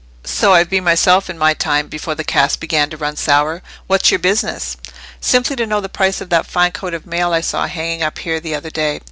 so I've been myself in my time, before the cask began to run sour. What's your business?" "Simply to know the price of that fine coat of mail I saw hanging up here the other day.